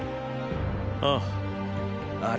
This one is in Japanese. ああ。